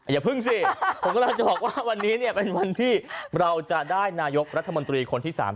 อย่าพึ่งสิผมกำลังจะบอกว่าวันนี้เนี่ยเป็นวันที่เราจะได้นายกรัฐมนตรีคนที่๓